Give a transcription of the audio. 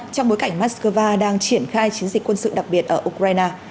trong bối cảnh moscow đang triển khai chiến dịch quân sự đặc biệt ở ukraine